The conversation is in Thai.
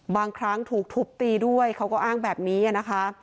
บางครั้งถูกทุบตีด้วยเขาก็อ้างแบบนี้นะคะ